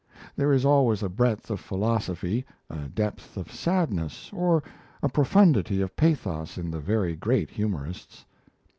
There is always a breadth of philosophy, a depth of sadness, or a profundity of pathos in the very greatest humorists.